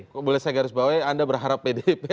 jadi saya harus bahwa anda berharap pdi perjuangan